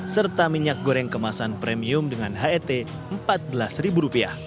serta minyak goreng kemasan premium dengan het rp empat belas